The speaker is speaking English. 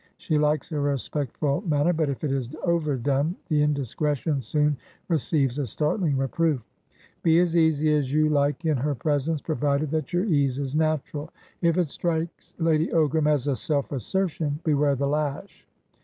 She likes a respectful manner, but if it is overdone the indiscretion soon receives a startling reproof. Be as easy as you like in her presence provided that your ease is natural; if it strikes Lady Ogram as self assertionbeware the lash!